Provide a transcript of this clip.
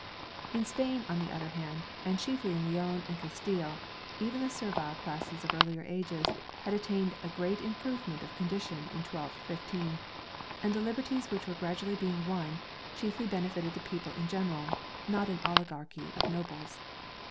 In Spain on the other hand, and chiefly in Leon and Castile, even the servile classes of earlier ages had at tained a great improvement of condition in 1215, and the liberties which were gradually being won, chiefly benefited the people in general, not an oligarchy of nobles.